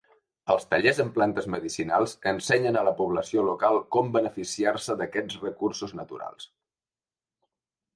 Els tallers en plantes medicinals ensenyen a la població local com beneficiar-se d'aquests recursos naturals.